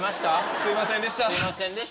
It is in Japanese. すいませんでした。